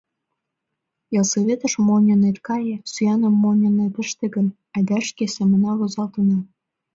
Ялсоветыш монь ынет кае, сӱаным монь ынет ыште гын, айда шке семынна возалтына.